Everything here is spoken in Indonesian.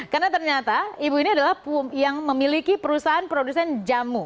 karena ternyata ibu ini adalah yang memiliki perusahaan produsen jamu